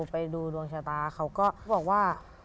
ไปดูดวงชะตาเขาก็บอกว่า